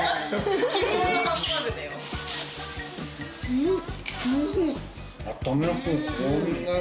うん！